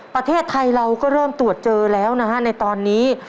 ประเทศไทยเราก็เริ่มตรวจเจอแล้วนะฮะในตอนนี้